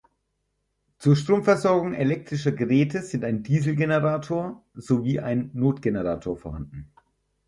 Zur Stromversorgung elektrischer Geräte sind ein Dieselgenerator sowie ein Notgenerator vorhanden.